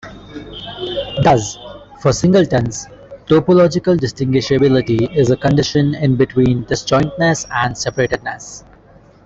Thus for singletons, topological distinguishability is a condition in between disjointness and separatedness.